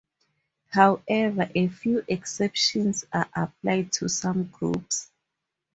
However, a few exceptions are applied to some groups.